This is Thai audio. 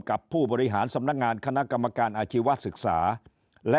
กับผู้บริหารสำนักงานคณะกรรมการอาชีวศึกษาและ